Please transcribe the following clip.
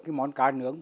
cái món cá nướng